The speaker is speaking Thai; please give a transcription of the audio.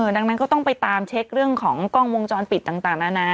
ดังนั้นก็ต้องไปตามเช็คเรื่องของกล้องวงจรปิดต่างนานา